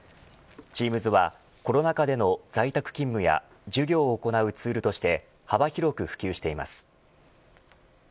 Ｔｅａｍｓはコロナ禍での在宅勤務や授業を行うツールとして幅広く普及しています。